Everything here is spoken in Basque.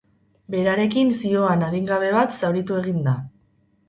Berarekin zihoan adingabe bat zauritu egin da.